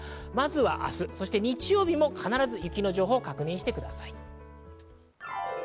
まずは明日、日曜日も必ず雪の情報を確認してください。